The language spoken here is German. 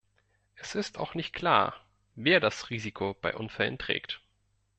Es ist auch nicht klar, wer das Risiko bei Unfällen trägt.